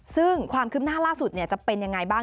ซึ่งความคืบหน้าล่าสุดจะเป็นยังไงบ้าง